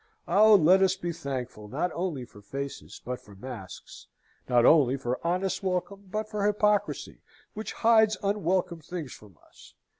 Oh, let us be thankful, not only for faces, but for masks! not only for honest welcome, but for hypocrisy, which hides unwelcome things from us!